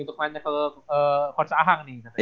untuk nanya ke coach ahang nih katanya